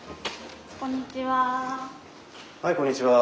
こんにちは。